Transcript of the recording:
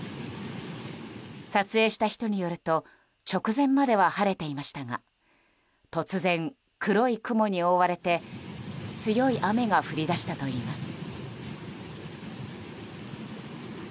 撮影した人によると直前までは晴れていましたが突然、黒い雲に覆われて強い雨が降り出したといいます。